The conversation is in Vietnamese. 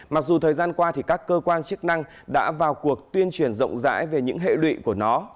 mặc dù thời gian qua thì các cơ quan chức năng đã vào cuộc tuyên truyền rộng rãi về những hệ lụy của nó